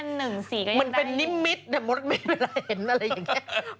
ก็ยังได้มันเป็นนิมมิตแต่เมื่อเห็นอะไรอย่างนี้